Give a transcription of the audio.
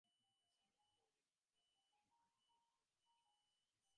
ওর শরীর তো তেমন শক্ত নয়।